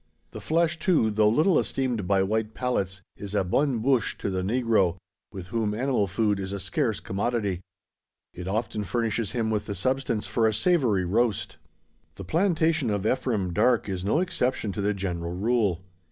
The flesh, too, though little esteemed by white palates, is a bonne bouche to the negro, with whom animal food is a scarce commodity. It often furnishes him with the substance for a savoury roast. The plantation of Ephraim Darke is no exception to the general rule.